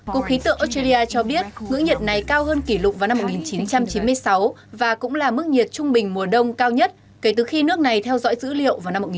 cục khí tượng australia cho biết ngưỡng nhiệt này cao hơn kỷ lục vào năm một nghìn chín trăm chín mươi sáu và cũng là mức nhiệt trung bình mùa đông cao nhất kể từ khi nước này theo dõi dữ liệu vào năm một nghìn chín trăm bảy mươi